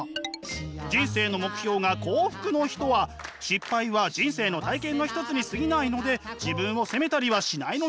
人生の目標が幸福の人は失敗は人生の体験の一つにすぎないので自分を責めたりはしないのです。